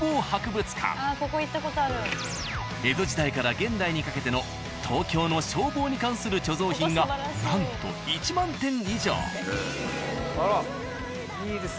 江戸時代から現代にかけての東京の消防に関する貯蔵品がなんと１万点以上。